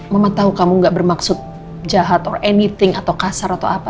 mama tahu kamu gak bermaksud jahat or anything atau kasar atau apa